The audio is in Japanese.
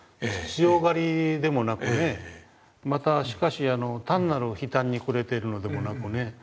強がりでもなくねまたしかし単なる悲嘆に暮れてるのでもなくね。